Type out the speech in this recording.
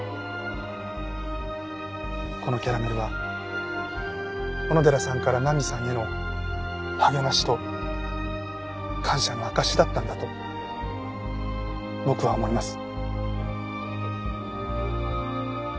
このキャラメルは小野寺さんから菜美さんへの励ましと感謝の証しだったんだと僕は思います。